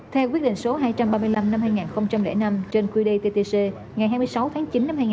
theo quyết định số hai trăm ba mươi năm hai nghìn năm trên quy đề ttc ngày hai mươi sáu tháng chín hai nghìn năm